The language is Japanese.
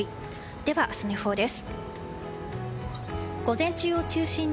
では明日の予報です。